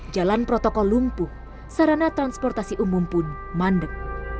jalan protokol lumpuh sarana transportasi umum pun mandek